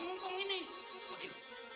eh ini iman